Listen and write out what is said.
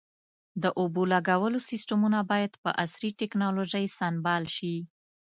د اوبو لګولو سیستمونه باید په عصري ټکنالوژۍ سنبال شي.